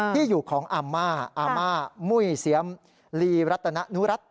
ที่อยู่ของอาม่าอาม่ามุ้ยเสียมลีรัตนนุรัติ